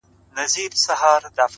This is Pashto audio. زه خو دا يم ژوندی يم”